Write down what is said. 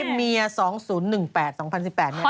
ตอนนี้เมีย๒๐๑๘เนี่ย